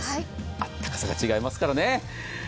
あったかさが違いますからね。